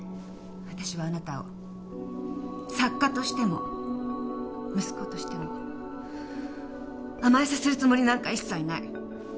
私はあなたを作家としても息子としても甘えさせるつもりなんか一切ない。